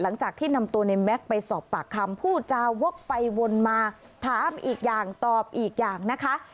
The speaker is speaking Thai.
หลังจากที่นำตัวในแม็กซ์ไปสอบปากคำผู้จาวกไปวนมาถามอีกอย่างตอบอีกอย่างนะคะ